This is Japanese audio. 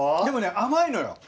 でもね甘いのよ。